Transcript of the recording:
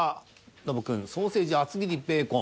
ノブくん「ソーセージ厚切りベーコン」。